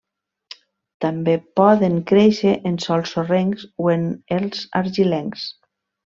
També poden créixer en sòls sorrencs o en els argilencs.